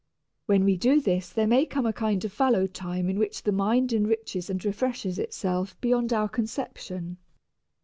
When we do this there may come a kind of fallow time in which the mind enriches and refreshes itself beyond our conception.